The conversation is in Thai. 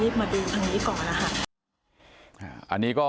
พี่ก็อยากจะรีบมาดูทางนี้ก่อน